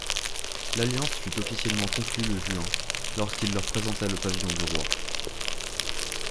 L'alliance fut officiellement conclue le juin lorsqu'il leur présenta le pavillon du roi.